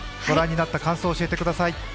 ご覧になった感想を教えてください。